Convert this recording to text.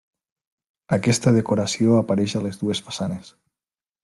Aquesta decoració apareix a les dues façanes.